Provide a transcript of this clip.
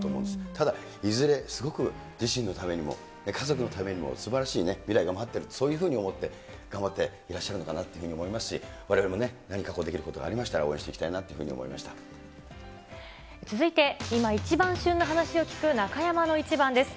ただ、いずれすごく自身のためにも家族のためにも、すばらしい未来が待っている、そういうふうに思って頑張っていらっしゃるのかなって思いますし、われわれも何かできることがありましたら応援していきたいなと思続いて今、一番旬な話を聞く中山のイチバンです。